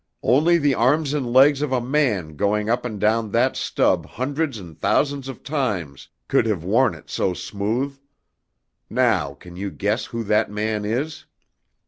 Only the arms and legs of a man going up and down that stub hundreds and thousands of times could have worn it so smooth! Now, can you guess who that man is?"